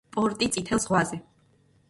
პორტი წითელ ზღვაზე.